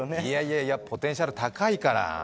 いやいや、ポテンシャル高いから。